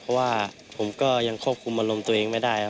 เพราะว่าผมก็ยังควบคุมอารมณ์ตัวเองไม่ได้ครับ